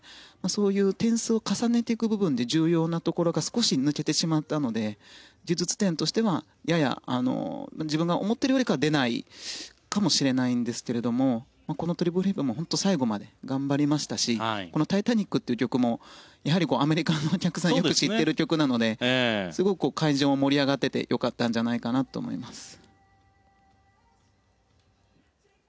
そういう点数を重ねていく部分で重要なところが少し抜けてしまったので技術点としてはやや自分が思っているよりかは出ないかもしれないんですけれどもトリプルフリップも最後まで頑張りましたし「タイタニック」という曲もアメリカのお客さんはよく知っている曲なのですごい会場も盛り上がっていて良かったんじゃないかと思います。